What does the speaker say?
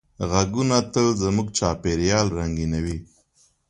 غږونه تل زموږ چاپېریال رنګینوي.